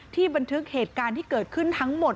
บันทึกเหตุการณ์ที่เกิดขึ้นทั้งหมด